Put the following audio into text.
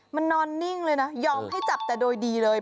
มันนอนนิ่งเลยนะยอมให้จับแต่โดยดีเลย